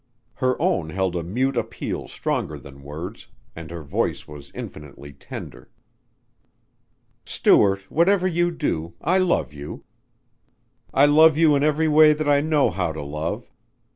Her own held a mute appeal stronger than words, and her voice was infinitely tender. "Stuart, whatever you do, I love you. I love you in every way that I know how to love